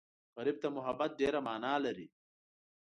غریب ته محبت ډېره مانا لري